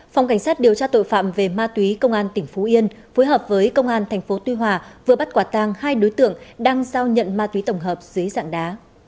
phòng cảnh sát điều tra tội phạm về ma túy công an tỉnh phú yên phối hợp với công an tp tuy hòa vừa bắt quả tang hai đối tượng đang giao nhận ma túy tổng hợp dưới dạng đá